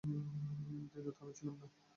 দিনে তো আমি ছিলাম না।